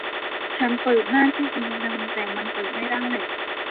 ฉันเปิดหน้าที่คุณแนะนำ แต่มันเปิดไม่ได้